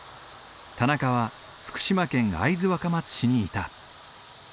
田中は福島県会津若松市にいた。